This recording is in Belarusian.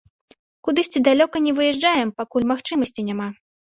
Кудысьці далёка не выязджаем, пакуль магчымасці няма.